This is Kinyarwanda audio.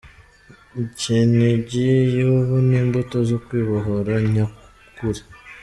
Kinigi y’ubu ni imbuto zo kwibohora nyakuri.